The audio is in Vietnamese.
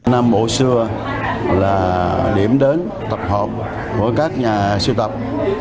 nam bộ xưa là điểm đến tập hợp của các nhà siêu tập